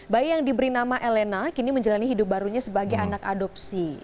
bayi yang diberi nama elena kini menjalani hidup barunya sebagai anak adopsi